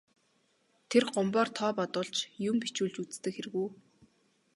Тэр Гомбоор тоо бодуулж, юм бичүүлж үздэг хэрэг үү.